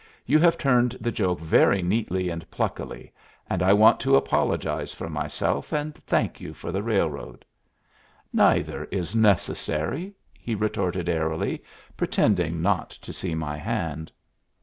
You have turned the joke very neatly and pluckily, and I want to apologize for myself and thank you for the railroad." "Neither is necessary," he retorted airily, pretending not to see my hand.